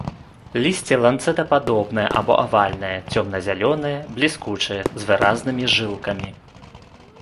Лісце ланцэтападобнае або авальнае, цёмна-зялёнае, бліскучае, з выразнымі жылкамі.